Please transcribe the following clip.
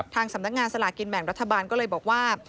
สำนักงานสลากินแบ่งรัฐบาลก็เลยบอกว่า